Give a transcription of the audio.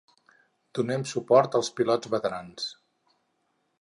Donem suport als pilots veterans.